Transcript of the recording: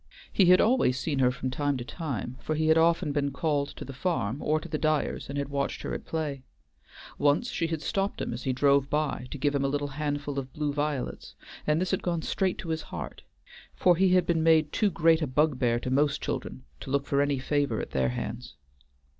He had always seen her from time to time, for he had often been called to the farm or to the Dyers and had watched her at play. Once she had stopped him as he drove by to give him a little handful of blue violets, and this had gone straight to his heart, for he had been made too great a bugbear to most children to look for any favor at their hands.